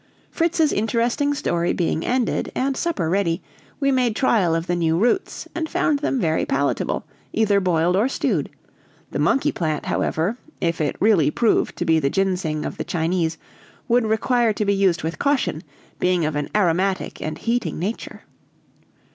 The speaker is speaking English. Fritz's interesting story being ended, and supper ready, we made trial of the new roots, and found them very palatable, either boiled or stewed; the monkey plant, however, if it really proved to be the ginseng of the Chinese, would require to be used with caution, being of an aromatic and heating nature.